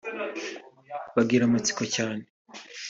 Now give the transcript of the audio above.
bagira amatsiko cyane